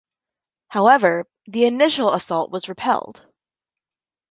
However, the initial assault was repelled.